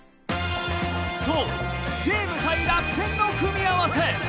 そう西武対楽天の組み合わせ。